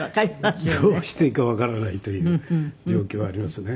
どうしていいかわからないという状況はありますね。